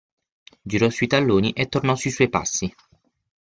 Girò sui talloni e tornò sui suoi passi.